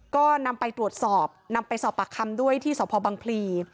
ก็นำไปตรวจสอบนำไปสอบปากคำด้วยที่สพบังพลี